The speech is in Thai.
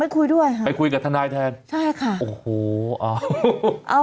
คุยด้วยไปคุยกับทนายแทนใช่ค่ะ